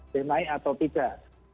dinaik atau tidak